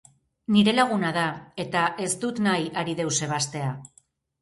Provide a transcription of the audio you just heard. Nire laguna da, eta ez dut nahi hari deus ebastea.